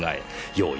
用意